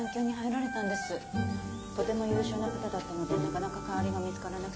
とても優秀な方だったのでなかなか代わりが見つからなくて。